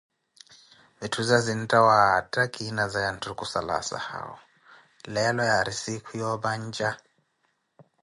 vitthuza zintta waatta kiinazaya ntthu kusala asahau, leelo yaari siikhu ya opanja.